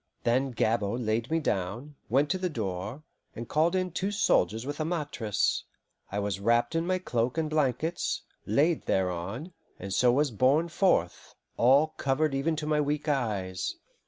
Then Gabord laid me down, went to the door, and called in two soldiers with a mattress. I was wrapped in my cloak and blankets, laid thereon, and so was borne forth, all covered even to my weak eyes.